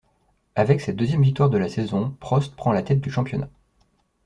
Avec cette deuxième victoire de la saison, Prost prend la tête du championnat.